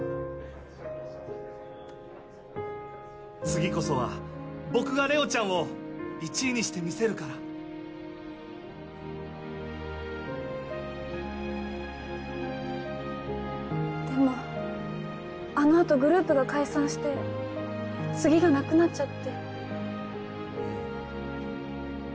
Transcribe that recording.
次こそは僕がれおちゃんを１位にしてでもあのあとグループが解散して次がなくなっちゃってうん